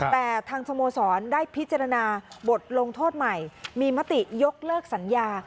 แต่ทางสโมสรได้พิจารณาบทลงโทษใหม่มีมติยกเลิกสัญญา